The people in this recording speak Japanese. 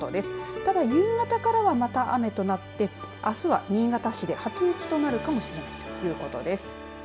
ただ夕方からは、また雨となってあすは新潟市で初雪となるかもしれないということです。